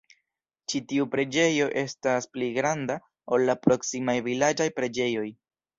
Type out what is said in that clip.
Ĉi tiu preĝejo estas pli granda, ol la proksimaj vilaĝaj preĝejoj.